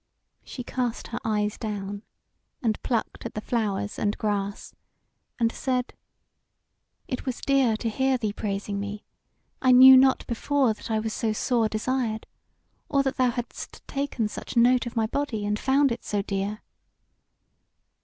She cast her eyes down, and plucked at the flowers and grass, and said: "It was dear to hear thee praising me; I knew not before that I was so sore desired, or that thou hadst taken such note of my body, and found it so dear."